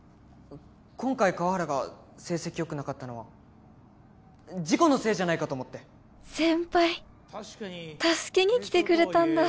今回川原が成績よくなかったのは事故のせいじゃないかと思って先輩助けに来てくれたんだ